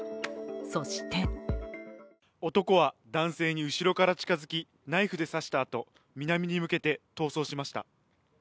そして男は男性に後ろから近づきナイフで刺したあと南に向けて逃走しました。